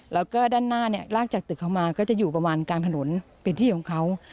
แล้วก็ด้านหน้าเนี่ยลากจากตึกเขามาก็จะอยู่ประมาณกลางถนนเป็นที่ของเขา